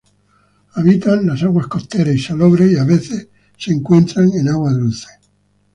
Habitan las aguas costeras y salobres y a veces se encuentran en agua dulce.